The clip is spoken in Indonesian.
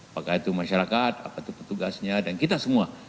apakah itu masyarakat apakah itu petugasnya dan kita semua